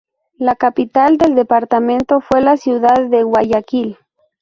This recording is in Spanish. La capital del Departamento fue la ciudad de Guayaquil.